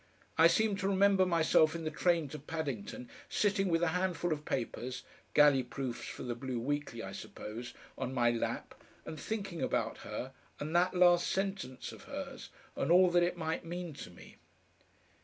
I seem to remember myself in the train to Paddington, sitting with a handful of papers galley proofs for the BLUE WEEKLY, I suppose on my lap, and thinking about her and that last sentence of hers, and all that it might mean to me.